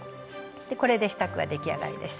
これで支度は出来上がりです。